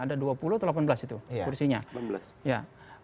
ada dua puluh atau delapan belas itu kursinya